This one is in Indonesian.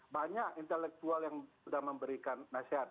banyak intelektual yang sudah memberikan nasihat